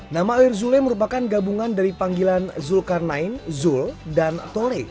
nama air zule merupakan gabungan dari panggilan zulkarnain zul dan tole